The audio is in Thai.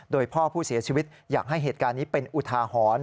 โดยพ่อผู้เสียชีวิตอยากให้เหตุการณ์นี้เป็นอุทาหรณ์